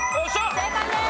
正解です。